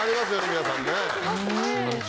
皆さんね。